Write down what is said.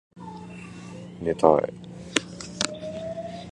寝たい